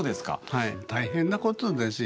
はい大変なことですよ。